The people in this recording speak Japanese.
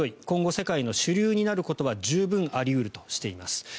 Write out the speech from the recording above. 今後世界の主流になることは十分あり得るとしています。